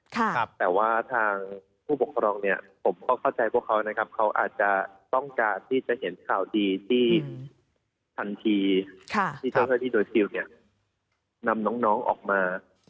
แต่ว่าทางผู้ปกครองผมเข้าใจว่าเขาอาจจะต้องการที่จะเห็นข่าวดีที่ทันทีที่เจ้าเฮ้ยที่โดยฟิล์มนำน้องออกมา